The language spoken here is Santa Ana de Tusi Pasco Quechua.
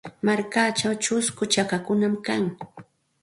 Markachaw chusku chakakunam kan.